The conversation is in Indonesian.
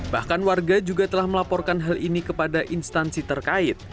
bahkan warga juga telah melaporkan hal ini kepada instansi terkait